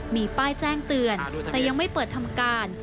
มีป้ายแจ้งเตือนแต่ยังไม่เปิดทำการ